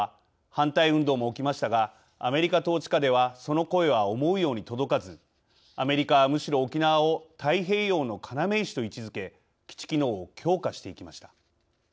反対運動も起きましたがアメリカ統治下ではその声は思うように届かずアメリカはむしろ沖縄を太平洋の要石と位置づけ基地機能を強化していきました。